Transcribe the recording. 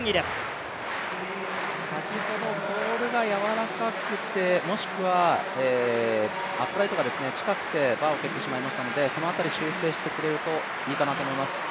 先ほどポールがやわらかくて、もしくはアップライトが近くてバーを蹴ってしまいましたのでその辺り修正してくれるといいかなと思います。